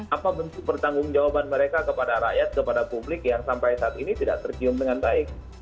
apa bentuk pertanggung jawaban mereka kepada rakyat kepada publik yang sampai saat ini tidak tercium dengan baik